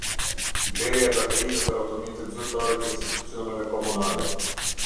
Blerja e baterive për automjetet zyrtare të institucioneve komunale